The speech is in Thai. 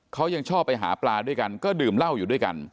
เขายังชอบไปหาปลาด้วยกันก็ดื่มเหล้าอยู่ด้วยกัน